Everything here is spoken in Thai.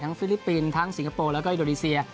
ฟิลิปปินส์ทั้งสิงคโปร์แล้วก็อินโดนีเซีย